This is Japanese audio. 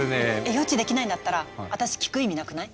予知できないんだったら私聞く意味なくない？